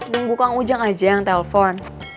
nunggu kang ujang aja yang telpon